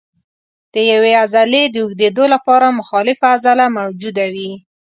د یوې عضلې د اوږدېدو لپاره مخالفه عضله موجوده وي.